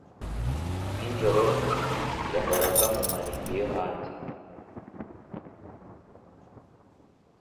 nijoro yahoraga mu marimbi yohanze